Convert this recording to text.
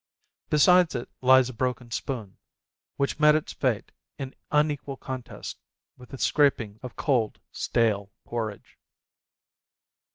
Beside it lies a broken spoon, which met its fate in unequal contest with the scrapings of cold, stale porridge.